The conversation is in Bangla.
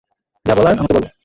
যা বলার আমাকে বলো।